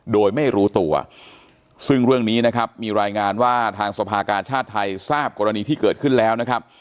โดยไม่รู้ตัวซึ่งเรื่องนี้นะครับมีรายงานว่าทางสภากาชาติไทยทราบกรณีที่เกิดขึ้นแล้วนะครับ